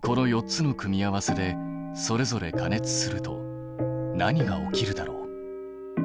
この４つの組み合わせでそれぞれ加熱すると何が起きるだろう？